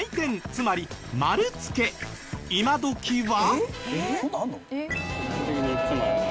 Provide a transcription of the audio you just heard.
つまり丸付け今どきは。